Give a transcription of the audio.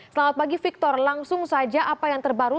selamat pagi victor langsung saja apa yang terbaru